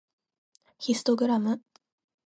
ヒストグラム